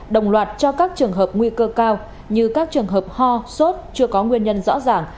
đồng loạt cho các trường hợp nguy cơ cao như các trường hợp ho sốt chưa có nguyên nhân rõ ràng